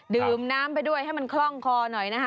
ดื่มน้ำไปด้วยให้มันคล่องคอหน่อยนะคะ